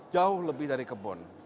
jauh lebih dari kebun